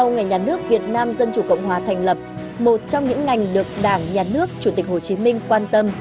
ngày nhà nước việt nam dân chủ cộng hòa thành lập một trong những ngành được đảng nhà nước chủ tịch hồ chí minh quan tâm